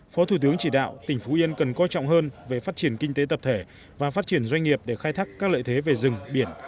phó thủ tướng chỉ đạo tỉnh phú yên cần coi trọng hơn về phát triển kinh tế tập thể và phát triển doanh nghiệp để khai thác các lợi thế về rừng biển